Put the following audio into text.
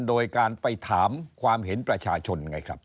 โดยการไปถามความเห็นประชาชน